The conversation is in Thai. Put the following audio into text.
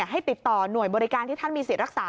ให้ติดต่อหน่วยบริการที่ท่านมีสิทธิ์รักษา